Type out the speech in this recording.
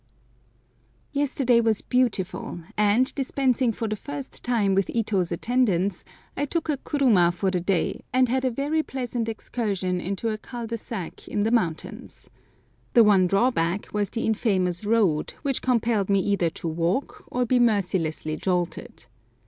YESTERDAY was beautiful, and, dispensing for the first time with Ito's attendance, I took a kuruma for the day, and had a very pleasant excursion into a cul de sac in the mountains. The one drawback was the infamous road, which compelled me either to walk or be mercilessly jolted.